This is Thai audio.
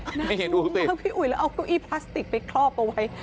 โอ้โหน่ากลุ่มมากพี่อุ๋ยแล้วเอาตุ๊กอี้พลาสติกไปคลอบเอาไว้